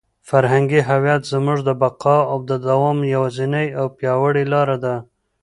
فرهنګي هویت زموږ د بقا او د دوام یوازینۍ او پیاوړې لاره ده.